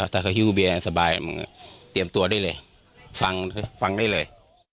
ถ้าเขาฮิ้วเบียร์สบายมึงเตรียมตัวได้เลยฟังฟังได้เลย